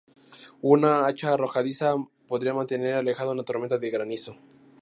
Un hacha arrojadiza podría mantener alejada una tormenta de granizo.